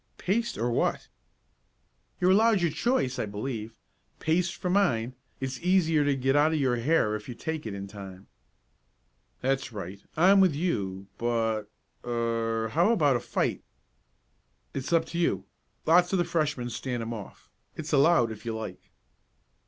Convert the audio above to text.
"Paste or what?" "You're allowed your choice, I believe. Paste for mine, it's easier to get out of your hair if you take it in time." "That's right. I'm with you but er how about a fight?" "It's up to you. Lots of the Freshmen stand 'em off. It's allowed if you like."